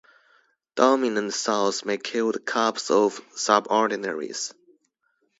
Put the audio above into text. Dominant sows may kill the cubs of subordinates.